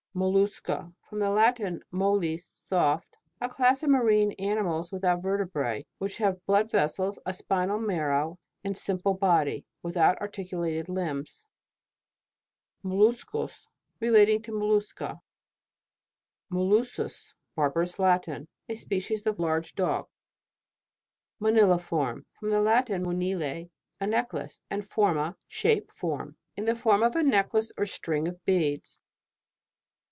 MOLLUSCA. From the Latin, mollis, soft. A class of marine animals without vertebrae, which have blood vessels, a spinal marrow, and a sim ple body, without articulated limbs. MOLLUSCOUS. Relating to Mollusca. MOLOSSUS. Barbarous Latin. A spe cies of large dog. (See page 64.) MONILEFORM. From the Latin moniZe, a necklace, and forma, shape, form. In the form of a necklace or string of beads.